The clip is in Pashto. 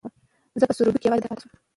زه په سړو اوبو کې یوازې دوه دقیقې پاتې شوم.